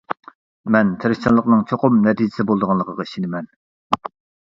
مەن تىرىشچانلىقنىڭ چوقۇم نەتىجىسى بولىدىغانلىقىغا ئىشىنىمەن!